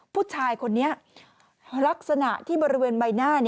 ผู้ชายคนนี้ลักษณะที่บริเวณใบหน้า